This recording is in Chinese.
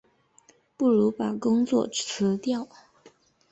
不如把工作辞掉